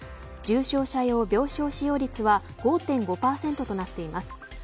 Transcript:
重症者用病床使用率は５．５％となっています。